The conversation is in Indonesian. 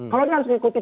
kalau dia harus ikuti